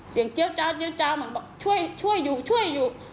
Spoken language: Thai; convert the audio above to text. เจี๊ยเจ้าเหมือนบอกช่วยอยู่ช่วยอยู่